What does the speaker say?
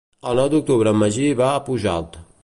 El nou d'octubre en Magí va a Pujalt.